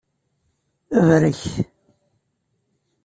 Brek.